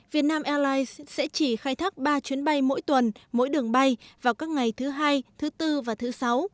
việt nam airlines sẽ chỉ khai thác ba chuyến bay mỗi tuần mỗi đường bay vào các ngày thứ hai thứ bốn và thứ sáu